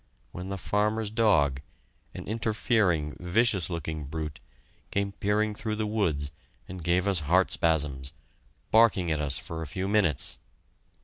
when the farmer's dog, an interfering, vicious looking brute, came peering through the woods and gave us heart spasms, barking at us for a few minutes.